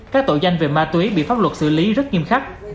các tội danh về ma túy bị pháp luật xử lý rất nghiêm khắc